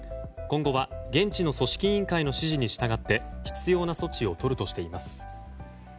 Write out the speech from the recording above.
今後は現地の組織委員会の指示に従って必要な措置をとるとしています。